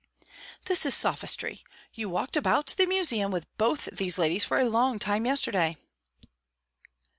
"This is sophistry. You walked about the museum with both these ladies for a long time yesterday."